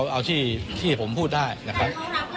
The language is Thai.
เอาที่ผมพูดได้นะครับ